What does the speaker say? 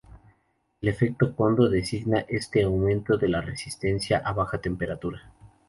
El efecto Kondo designa este aumento de la resistencia a baja temperatura.